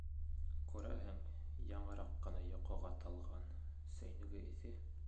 Күрәһең, яңыраҡ ҡына йоҡоға талған: сәйнүге эҫе.